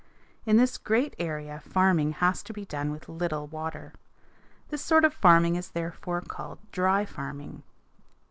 In this great area farming has to be done with little water. This sort of farming is therefore called "dry farming."